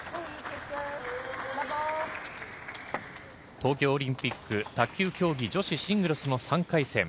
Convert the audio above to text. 東京オリンピック卓球競技・女子シングルスの３回戦。